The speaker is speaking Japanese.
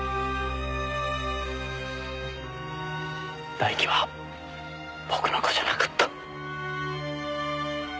大輝は僕の子じゃなかった。